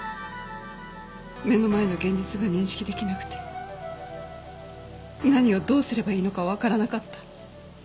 目の前の現実が認識出来なくて何をどうすればいいのかわからなかった。